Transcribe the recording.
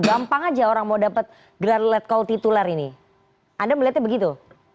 gampang aja orang mau dapat gelar let call titular ini anda melihatnya begitu